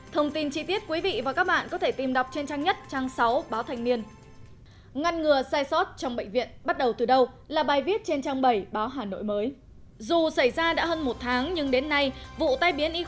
thông tin chi tiết quý vị và các bạn có thể tìm đọc trên trang nhất trang sáu báo thành niên